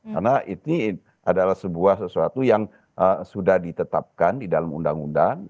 karena ini adalah sebuah sesuatu yang sudah ditetapkan di dalam undang undang